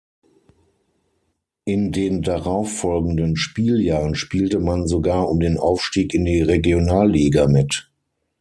In den darauffolgenden Spieljahren spielte man sogar um den Aufstieg in die Regionalliga mit.